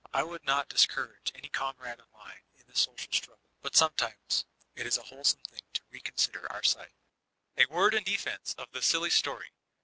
I would not dis courage any comrade of mine in the social struggle, but sometimes it is a wholesome thing to reconsider our sixe. A word in defense of the silly story.